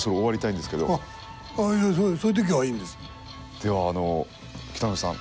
ではあの北の富士さん